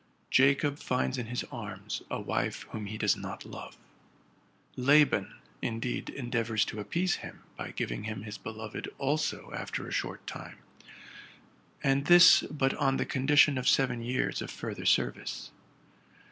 Jacob finds in his arms a wife whom he does not love. Laban, indeed, endeavors to ap pease him, by giving him his beloved also after a short time, and this but on the condition of seven years of further ser vice.